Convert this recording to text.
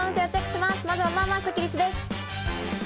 まずは、まあまあスッキりすです。